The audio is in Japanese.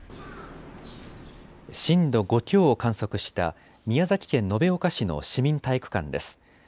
震度５強を観測した宮崎県延岡市の市民体育館です。